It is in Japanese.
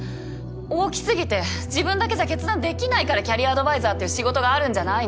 大きすぎて自分だけじゃ決断できないからキャリアアドバイザーっていう仕事があるんじゃないの？